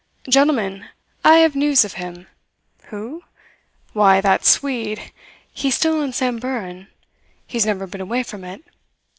"Gentlemen, I have news of him. Who? why, that Swede. He is still on Samburan. He's never been away from it.